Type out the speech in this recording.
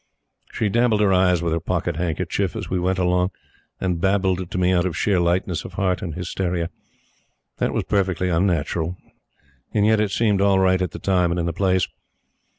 She dabbled her eyes with her pocket handkerchief as we went along, and babbled to me out of sheer lightness of heart and hysteria. That was perfectly unnatural; and yet, it seemed all right at the time and in the place.